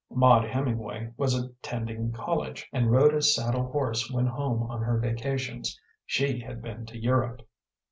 Maud Hemingway was attending college, and rode a saddle horse when home on her vacations. She had been to Europe.